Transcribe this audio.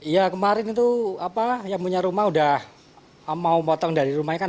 ya kemarin itu apa yang punya rumah udah mau potong dari rumahnya kan